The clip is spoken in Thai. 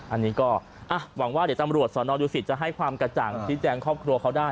อันนี้ก็หวังว่าเดี๋ยวตำรวจสอนอดูสิตจะให้ความกระจ่างชี้แจงครอบครัวเขาได้